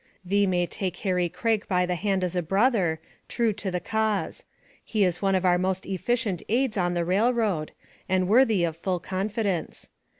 Thee may take Harry Craige by the hand as a brother, true to the cause; he is one of our most efficient aids on the Rail Road, and worthy of full confidence.